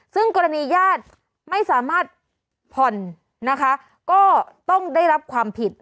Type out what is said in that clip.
ซึ่งกรณีญาติไม่สามารถผ่อนนะคะก็ต้องได้รับความผิด